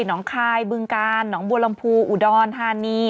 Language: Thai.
น้องคายบึงกาลหนองบัวลำพูอุดรธานี